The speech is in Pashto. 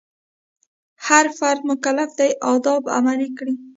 هر فرد مکلف دی آداب عملي کړي.